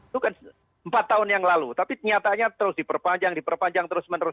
itu kan empat tahun yang lalu tapi nyatanya terus diperpanjang diperpanjang terus menerus